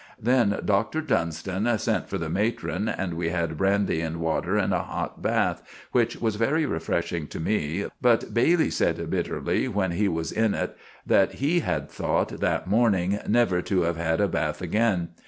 Then Doctor Dunston sent for the matron, and we had brandy and water and a hot bath, which was very refreshing to me, but Bailey sed biterly when he was in it that he had thought that morning never to have had a bath again.